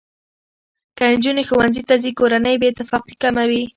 که نجونې ښوونځي ته ځي، کورنۍ بې اتفاقي کمه وي.